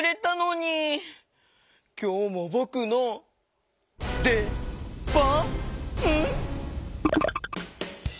きょうもぼくのでばん？